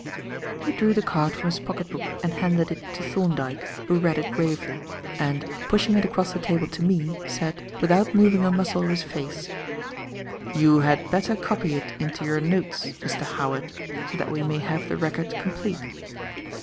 He drew the card from his pocket book and handed it to Thorndyke, who read it gravely, and, pushing it across the table to me, said, without moving a muscle of his face: "You had better copy it into your notes, Mr. Howard, so that we may have the record complete."